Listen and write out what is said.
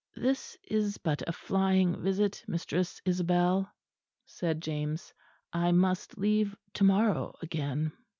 "This is but a flying visit, Mistress Isabel," said James. "I must leave to morrow again."